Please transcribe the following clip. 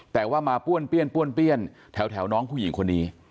แต่ว่ามาป้วนเปรี้ยนแถวน้องผู้หญิงคนนี้